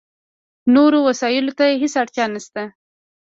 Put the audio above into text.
نورو وسایلو ته هېڅ اړتیا نشته.